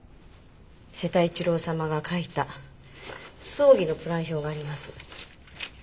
瀬田一郎様が書いた葬儀のプラン表があります。